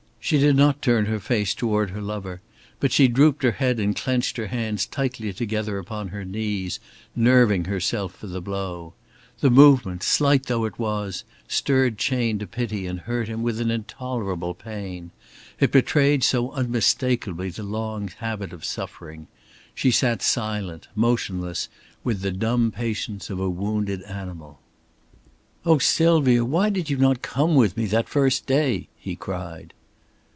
She did not turn her face toward her lover; but she drooped her head and clenched her hands tightly together upon her knees, nerving herself for the blow. The movement, slight though it was, stirred Chayne to pity and hurt him with an intolerable pain. It betrayed so unmistakably the long habit of suffering. She sat silent, motionless, with the dumb patience of a wounded animal. "Oh, Sylvia, why did you not come with me on that first day?" he cried.